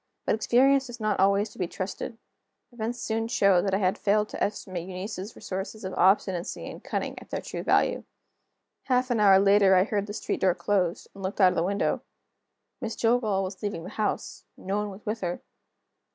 But experience is not always to be trusted. Events soon showed that I had failed to estimate Eunice's resources of obstinacy and cunning at their true value. Half an hour later I heard the street door closed, and looked out of the window. Miss Jillgall was leaving the house; no one was with her.